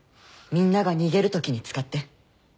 みんなが逃げるときに使って。